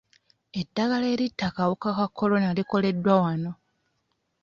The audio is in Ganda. Eddagala eritta akawuka ka Corona likoleddwa wano.